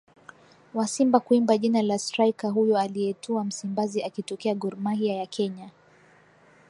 wa Simba kuimba jina la straika huyo aliyetua Msimbazi akitokea Gor Mahia ya Kenya